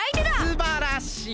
すばらしい！